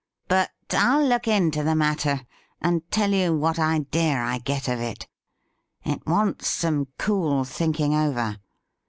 But I'll look into the matter, and tell you what idea I get of it. It wants some cool thinking over.